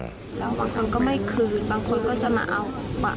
แล้วบางคนก็ไม่คืน